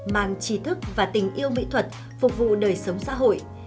mang trí thức và tình yêu mỹ thuật phục vụ đời sống xã hội